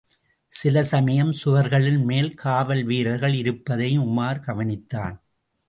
சில சமயம் சுவர்களின் மேல் காவல் வீரர்கள் இருப்பதையும் உமார் கவனித்தான்.